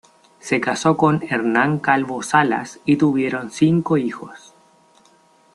Se casó con Hernán Calvo Salas y tuvieron cinco hijos.